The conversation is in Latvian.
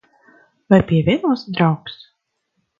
Vai pievienosi, draugs?